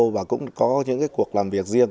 và cũng có những cuộc làm việc riêng